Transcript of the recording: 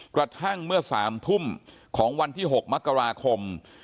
กระทั่งเมื่อ๓ทุ่มของวันที่๖มกราคม